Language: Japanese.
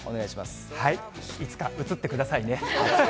いつか映ってくださいね。